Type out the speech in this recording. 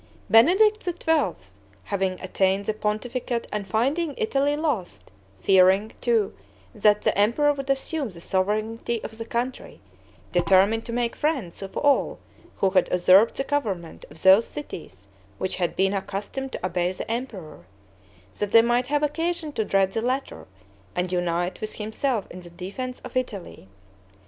Benedict XII. having attained the pontificate and finding Italy lost, fearing, too, that the emperor would assume the sovereignty of the country, determined to make friends of all who had usurped the government of those cities which had been accustomed to obey the emperor; that they might have occasion to dread the latter, and unite with himself in the defense of Italy.